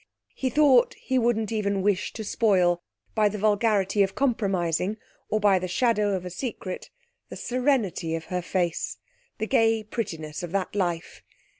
He thought he wouldn't even wish to spoil, by the vulgarity of compromising, or by the shadow of a secret, the serenity of her face, the gay prettiness of that life.